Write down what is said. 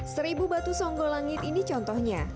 seribu batu songgolangit ini contohnya